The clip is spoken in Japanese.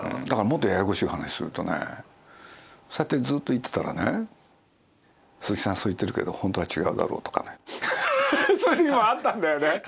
だからもっとややこしい話するとねそうやってずっと言ってたらね「鈴木さんそう言ってるけど本当は違うだろう」とかねそういうのあったんだよね。